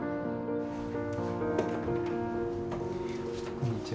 こんにちは。